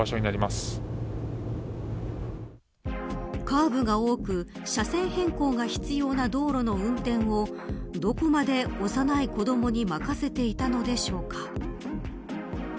カーブが多く車線変更が必要な道路の運転をどこまで幼い子どもに任せていたのでしょうか。